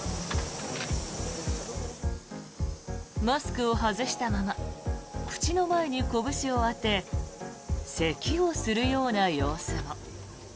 マスクを外したまま口の前にこぶしを当てせきをするような様子も。